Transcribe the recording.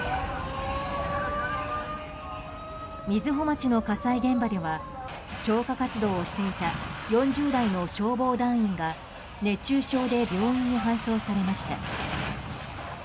瑞穂町の火災現場では消火活動をしていた４０代の消防団員が熱中症で病院に搬送されました。